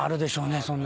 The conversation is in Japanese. そんなん。